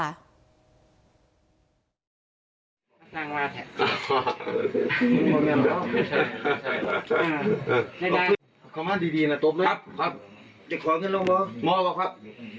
เขามาดีน่ะตบด้วยครับครับเดี๋ยวขอเงินลงมองครับ